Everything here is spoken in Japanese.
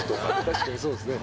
確かにそうですね。